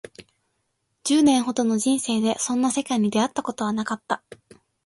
十年ほどの人生でそんな世界に出会ったことはなかった